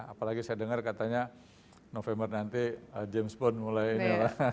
apalagi saya dengar katanya november nanti james bond mulai ini